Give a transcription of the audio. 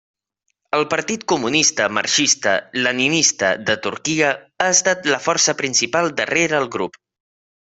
El Partit Comunista Marxista–Leninista de Turquia ha estat la força principal darrere el grup.